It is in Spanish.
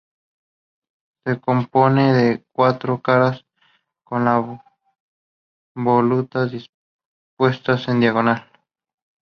Se componen de cuatro caras con las volutas dispuestas en diagonal.